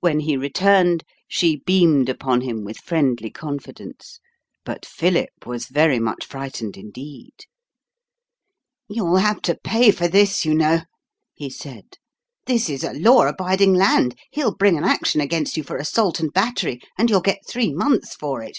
When he returned, she beamed upon him with friendly confidence. But Philip was very much frightened indeed. "You'll have to pay for this, you know," he said. "This is a law abiding land. He'll bring an action against you for assault and battery; and you'll get three months for it."